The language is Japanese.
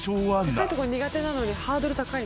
高いとこ苦手なのにハードル高い。